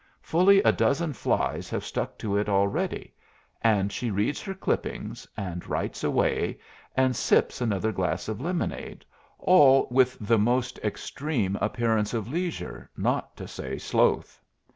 Fully a dozen flies have stuck to it already; and she reads her clippings, and writes away, and sips another glass of lemonade, all with the most extreme appearance of leisure, not to say sloth.